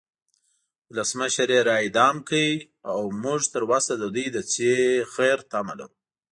ولسمشر یی را اعدام کړو او مونږ تروسه د دوی د خیر تمه لرو